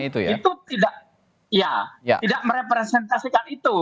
itu tidak merepresentasikan itu